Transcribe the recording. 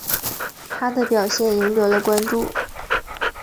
他的表现赢得了关注。